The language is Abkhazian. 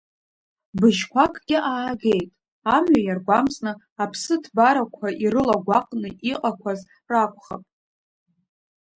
Быжьқәакгьы аагеит, амҩа иаргәамҵны, аԥсыҭбарақәа ирылагәаҟны иҟақәаз ракәхап.